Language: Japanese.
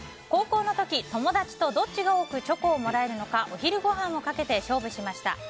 高校の時、友達とどっちが多くチョコをもらえるかお昼ごはんをかけて勝負しました。